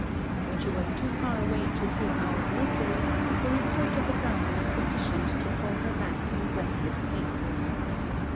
When she was too far away to hear our voices, the report of a gun was sufficient to call her back in breathless haste.